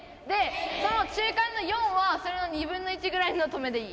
その中間の４は、それの２分の１ぐらいの止めでいい。